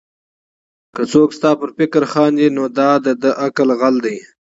که څوک ستا پر فکر خاندي؛ نو دا د عقل غل دئ.